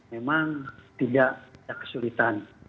memang tidak kesulitan